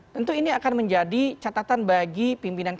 tentu ini akan menjadi catatan bagi pimpinan kpk